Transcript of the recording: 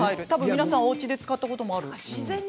皆さんおうちで使ったことがある。